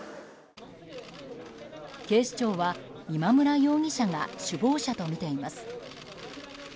警視庁は今村容疑者が首謀者とみています。